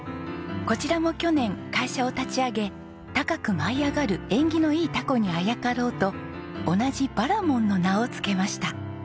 こちらも去年会社を立ち上げ高く舞い上がる縁起のいい凧にあやかろうと同じ「ばらもん」の名を付けました。